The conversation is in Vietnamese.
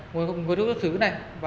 nguồn gốc nước xứ này